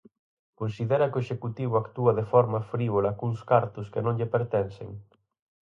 Considera que o executivo actúa de forma frívola cuns cartos que non lle pertencen.